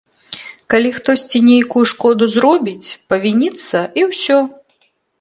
Калі хтосьці нейкую шкоду зробіць, павініцца, і ўсё.